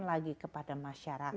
lagi kepada masyarakat